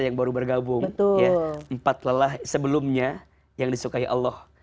yang sebelumnya yang disukai allah